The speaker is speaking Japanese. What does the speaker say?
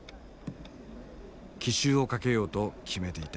奇襲をかけようと決めていた。